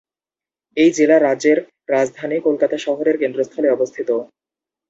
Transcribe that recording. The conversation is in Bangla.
এই জেলা রাজ্যের রাজধানী কলকাতা শহরের কেন্দ্রস্থলে অবস্থিত।